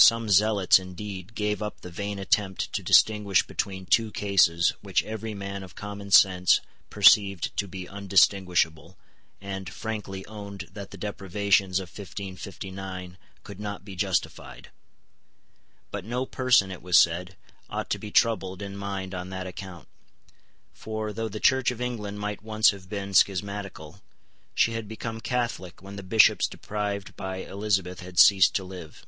Some zealots, indeed, gave up the vain attempt to distingush between two cases which every man of common sense perceived to be undistinguishable, and frankly owned that the deprivations of 1559 could not be justified. But no person, it was said, ought to be troubled in mind on that account; for, though the Church of England might once have been schismatical, she had become Catholic when the Bishops deprived by Elizabeth had ceased to live.